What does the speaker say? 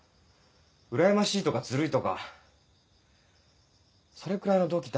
うらやましいとかずるいとかそれくらいの動機